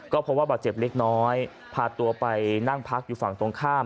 ก็พบว่าบาดเจ็บเล็กน้อยพาตัวไปนั่งพักอยู่ฝั่งตรงข้าม